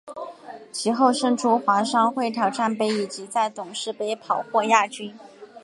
其后胜出华商会挑战杯以及在董事杯跑获亚军。